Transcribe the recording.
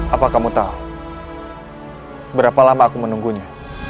apa kamu tahu berapa lama aku menunggunya